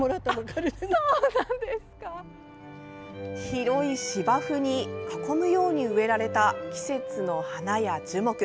広い芝生に、囲むように植えられた季節の花や樹木。